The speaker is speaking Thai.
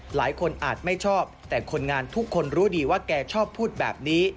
อาจไม่ชอบแต่คนงานทุกคนรู้ดีว่าแกชอบพูดแบบนี้